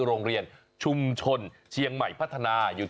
โรงเรียนชุมชนเชียงใหม่พัฒนาอยู่